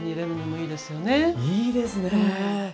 いいですね！